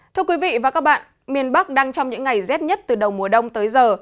thưa quý vị và các bạn miền bắc đang trong những ngày rét nhất từ đầu mùa đông tới giờ